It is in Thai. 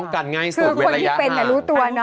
คือคนที่เป็นเนี่ยรู้ตัว